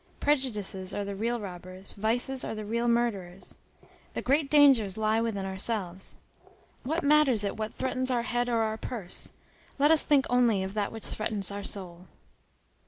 Prejudices are the real robbers; vices are the real murderers. The great dangers lie within ourselves. What matters it what threatens our head or our purse! Let us think only of that which threatens our soul."